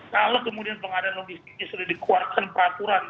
kalau kemudian pengadaan logistik ini sudah dikeluarkan peraturan